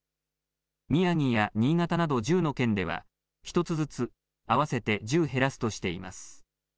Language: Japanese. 宮城や新潟など１０の県では１つずつ、合わせて１０減らすとしています。